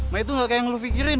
maik tuh gak kayak yang lo pikirin